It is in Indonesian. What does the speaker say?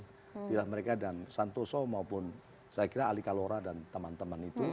silahkan bergerak di wilayah mereka dan santosow maupun saya kira ali kalora dan teman teman itu